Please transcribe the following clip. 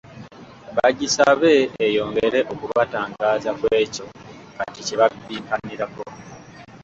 Bagisabe eyongere okubatangaaza Ku ekyo kati kye babbinkanirako.